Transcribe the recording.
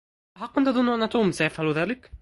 أحقا تظن أن توم سيفعل ذلك؟